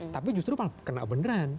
tapi justru malah kena beneran